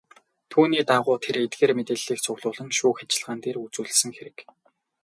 Түүний дагуу тэр эдгээр мэдээллийг цуглуулан шүүх ажиллагаан дээр үзүүлсэн хэрэг.